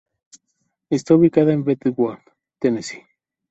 Está ubicada en Brentwood, Tennessee.